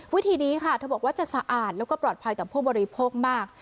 วิธีนี้ค่ะเธอบอกว่าจะสะอาดแล้วก็ปลอดภัยต่อผู้บริโภคมาก